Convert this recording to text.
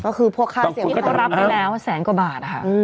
ก็คือพวกค่าเสี่ยงที่เขารับไปแล้วแสนกว่าบาท